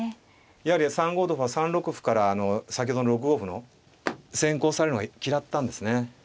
やはり３五同歩は３六歩から先ほどの６五歩の先行されるのを嫌ったんですね。